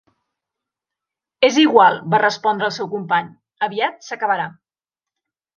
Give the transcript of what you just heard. "És igual", va respondre el seu company, "aviat s'acabarà".